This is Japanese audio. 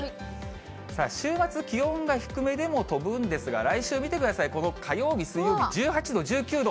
さあ、週末、気温が低めでも飛ぶんですが、来週見てください、この火曜日、水曜日、１８度、１９度。